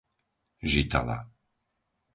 Žitava